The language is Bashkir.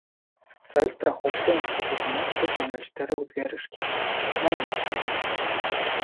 Социаль страховка институтының төп йүнәлештәре үҙгәреш кисермәйме?